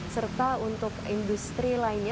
serta untuk industri lainnya